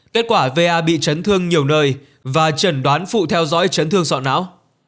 kết quả va bị trấn thương nhiều nơi và trần đoán phụ theo dõi trấn thương sọ não